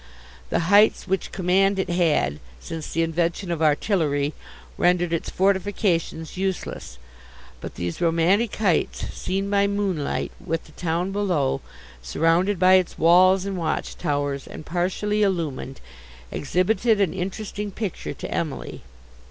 The heights which command it had, since the invention of artillery, rendered its fortifications useless; but these romantic heights, seen by moonlight, with the town below, surrounded by its walls and watchtowers, and partially illumined, exhibited an interesting picture to Emily.